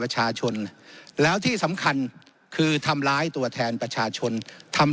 ประชาชนแล้วที่สำคัญคือทำร้ายตัวแทนประชาชนทำ